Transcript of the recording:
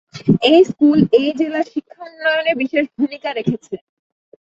এই স্কুল এই জেলার শিক্ষা উন্নয়নে বিশেষ ভূমিকা রেখেছে।